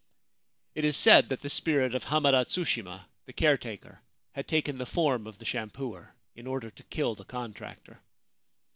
It is said that the spirit of Hamada Tsushima, the caretaker, had taken the form of the shampooer, in order to kill the contractor.